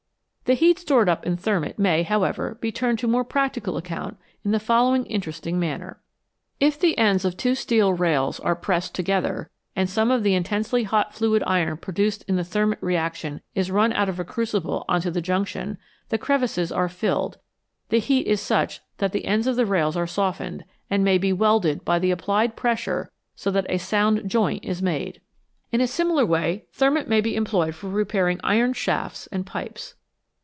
The heat stored up in thermit may, however, be turned to more practical account in the following interesting manner : If the ends of two steel rails are pressed to gether and some of the intensely hot fluid iron produced in the thermit reaction is run out of a crucible on to the junction, the crevices are filled, the heat is such that the ends of the rails are softened, and may be welded by the applied pressure so that a sound joint is made. In a METALS, COMMON AND UNCOMMON similar way thermit may be employed for repairing iron shafts and pipes.